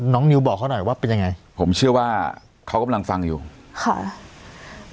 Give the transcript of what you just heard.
นิวบอกเขาหน่อยว่าเป็นยังไงผมเชื่อว่าเขากำลังฟังอยู่ค่ะ